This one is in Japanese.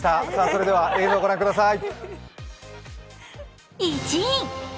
それでは映像をご覧ください。